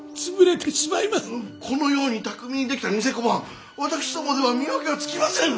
このように巧みに出来た贋小判私どもでは見分けがつきません！